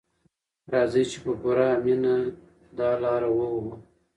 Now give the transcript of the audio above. راځئ چې په پوره مینه دا لاره ووهو.